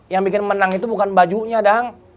yang bikin menang itu bukan bajunya dong